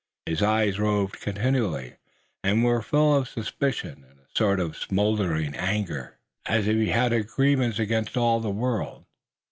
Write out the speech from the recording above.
His eyes roved continually, and were full of suspicion, and of a sort of smoldering anger, as if he had a grievance against all the world.